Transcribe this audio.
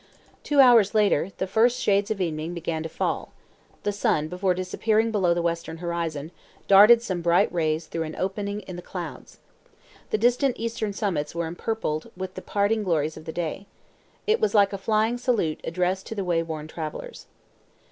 Two hours later, the first shades of evening began to fall. The sun, before disappearing below the western horizon, darted some bright rays through an opening in the clouds. The distant eastern summits were empurpled with the parting glories of the day. It was like a flying salute addressed to the way worn travelers.